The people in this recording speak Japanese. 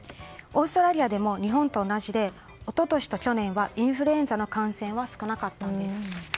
オーストラリアでも日本と同じで一昨年と去年はインフルエンザの感染は少なかったんです。